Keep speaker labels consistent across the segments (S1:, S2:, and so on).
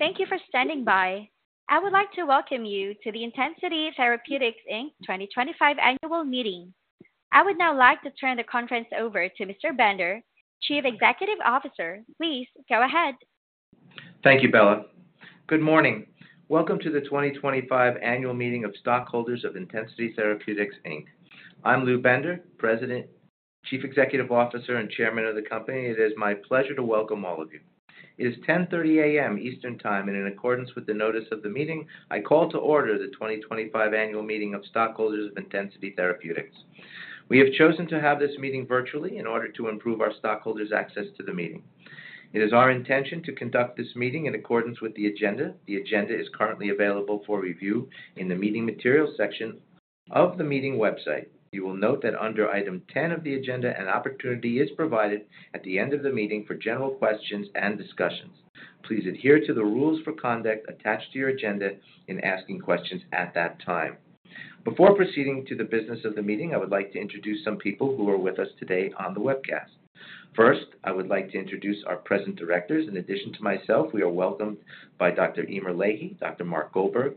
S1: Thank you for standing by. I would like to welcome you to the Intensity Therapeutics Inc. 2025 Annual Meeting. I would now like to turn the conference over to Mr. Bender, Chief Executive Officer. Please go ahead.
S2: Thank you, Bella. Good morning. Welcome to the 2025 Annual Meeting of Stockholders of Intensity Therapeutics Inc. I'm Lew Bender, President, Chief Executive Officer, and Chairman of the company. It is my pleasure to welcome all of you. It is 10:30 A.M. Eastern Time, and in accordance with the notice of the meeting, I call to order the 2025 Annual Meeting of Stockholders of Intensity Therapeutics. We have chosen to have this meeting virtually in order to improve our stockholders' access to the meeting. It is our intention to conduct this meeting in accordance with the agenda. The agenda is currently available for review in the meeting materials section of the meeting website. You will note that under item 10 of the agenda, an opportunity is provided at the end of the meeting for general questions and discussions. Please adhere to the rules for conduct attached to your agenda in asking questions at that time. Before proceeding to the business of the meeting, I would like to introduce some people who are with us today on the webcast. First, I would like to introduce our present directors. In addition to myself, we are welcomed by Dr. Emer Leahy, Dr. Mark A. Goldberg,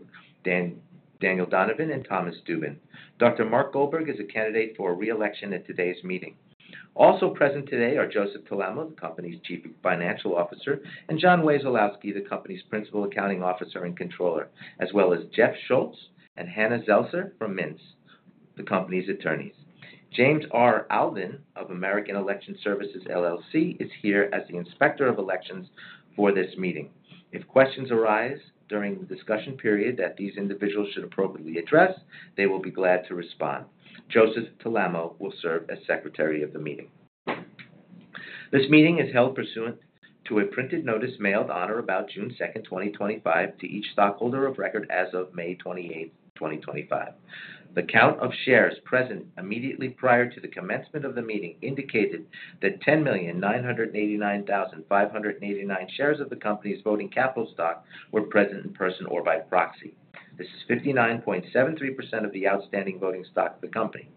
S2: Daniel Donovan, and Thomas Duven. Dr. Mark A. Goldberg is a candidate for reelection at today's meeting. Also present today are Joseph Calamo, the company's Chief Financial Officer, and John Wasilowski, the company's Principal Accounting Officer and Controller, as well as Jeff Schultz and Hannah Zelzer from Mintz, the company's attorneys. James R. Alvin of American Election Services LLC is here as the Inspector of Elections for this meeting. If questions arise during the discussion period that these individuals should appropriately address, they will be glad to respond. Joseph Calamo will serve as Secretary of the meeting. This meeting is held pursuant to a printed notice mailed on or about June 2, 2025 to each stockholder of record as of May 28, 2025. The count of shares present immediately prior to the commencement of the meeting indicated that 10,989,589 shares of the company's voting capital stock were present in person or by proxy. This is 59.73% of the outstanding voting stock of the company.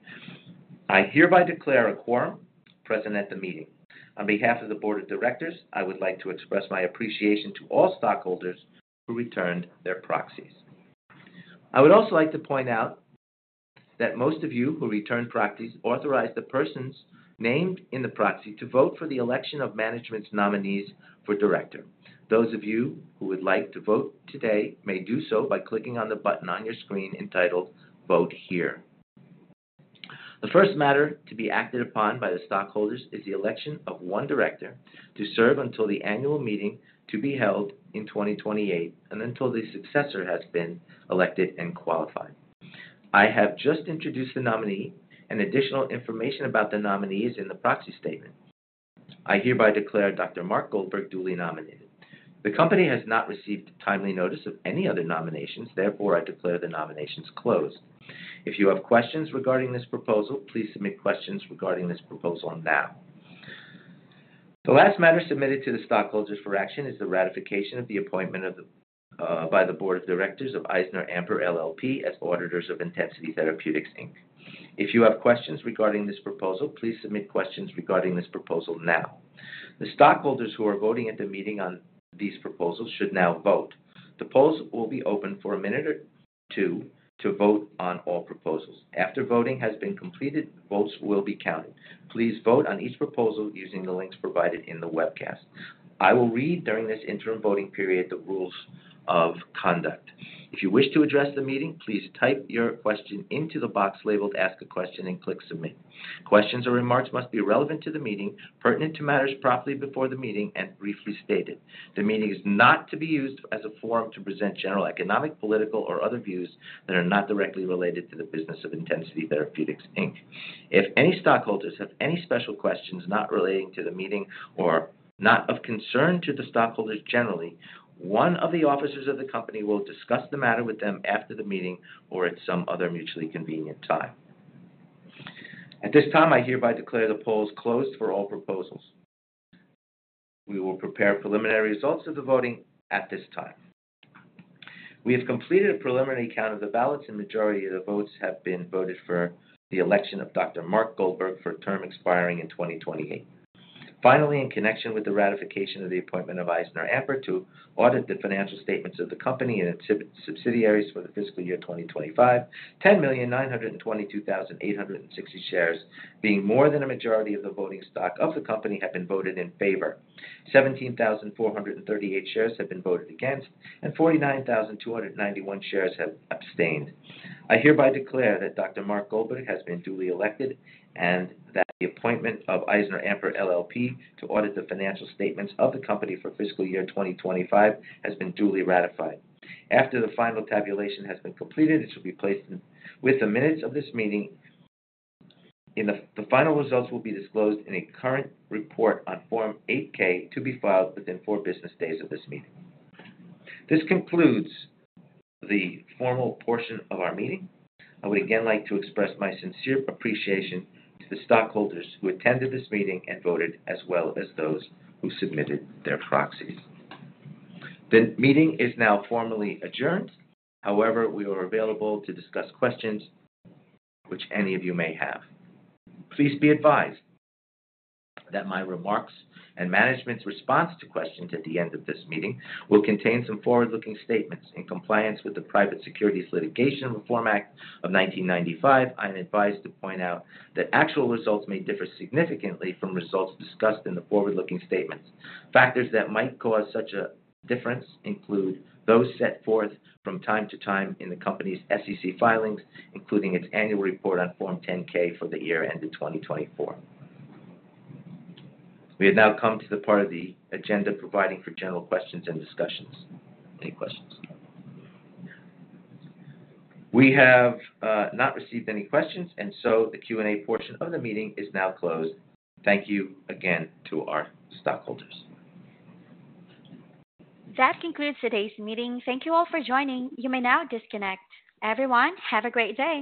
S2: I hereby declare a quorum present at the meeting. On behalf of the Board of Directors, I would like to express my appreciation to all stockholders who returned their proxies. I would also like to point out that most of you who returned proxies authorized the persons named in the proxy to vote for the election of management's nominees for Director. Those of you who would like to vote today may do so by clicking on the button on your screen entitled Vote Here. The first matter to be acted upon by the stockholders is the election of one Director to serve until the annual meeting to be held in 2028 and until the successor has been elected and qualified. I have just introduced the nominee, and additional information about the nominee is in the proxy statement. I hereby declare Dr. Mark A. Goldberg duly nominated. The company has not received timely notice of any other nominations, therefore, I declare the nominations closed. If you have questions regarding this proposal, please submit questions regarding this proposal now. The last matter submitted to the stockholders for action is the ratification of the appointment by the Board of Directors of EisnerAmper LLP as Auditors of Intensity Therapeutics Inc. If you have questions regarding this proposal, please submit questions regarding this proposal now. The stockholders who are voting at the meeting on these proposals should now vote. The polls will be open for a minute or two to vote on all proposals. After voting has been completed, votes will be counted. Please vote on each proposal using the links provided in the webcast. I will read during this interim voting period the rules of conduct. If you wish to address the meeting, please type your question into the box labeled Ask a Question and click Submit. Questions or remarks must be relevant to the meeting, pertinent to matters properly before the meeting, and briefly stated. The meeting is not to be used as a forum to present general economic, political, or other views that are not directly related to the business of Intensity Therapeutics Inc. If any stockholders have any special questions not relating to the meeting or not of concern to the stockholders generally, one of the officers of the company will discuss the matter with them after the meeting or at some other mutually convenient time. At this time, I hereby declare the polls closed for all proposals. We will prepare preliminary results of the voting at this time. We have completed a preliminary count of the ballots, and the majority of the votes have been voted for the election of Dr. Mark A. Goldberg for term expiring in 2028. Finally, in connection with the ratification of the appointment of EisnerAmper LLP to audit the financial statements of the company and its subsidiaries for the fiscal year 2025, 10,922,860 shares, being more than a majority of the voting stock of the company, have been voted in favor. 17,438 shares have been voted against, and 49,291 shares have abstained. I hereby declare that Dr. Mark A. Goldberg has been duly elected and that the appointment of EisnerAmper LLP to audit the financial statements of the company for fiscal year 2025 has been duly ratified. After the final tabulation has been completed, it should be placed with the minutes of this meeting. The final results will be disclosed in a current report on Form 8-K to be filed within four business days of this meeting. This concludes the formal portion of our meeting. I would again like to express my sincere appreciation to the stockholders who attended this meeting and voted, as well as those who submitted their proxies. The meeting is now formally adjourned. However, we are available to discuss questions which any of you may have. Please be advised that my remarks and management's response to questions at the end of this meeting will contain some forward-looking statements. In compliance with the Private Securities Litigation Reform Act of 1995, I am advised to point out that actual results may differ significantly from results discussed in the forward-looking statements. Factors that might cause such a difference include those set forth from time to time in the company's SEC filings, including its annual report on Form 10-K for the year ended 2024. We have now come to the part of the agenda providing for general questions and discussions. Any questions? We have not received any questions, and so the Q&A portion of the meeting is now closed. Thank you again to our stockholders.
S1: That concludes today's meeting. Thank you all for joining. You may now disconnect. Everyone, have a great day.